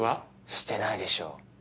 してないでしょう。